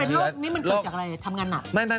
โรคนี้มันเกิดจากอะไรทำงานหนัก